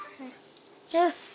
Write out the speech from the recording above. よし！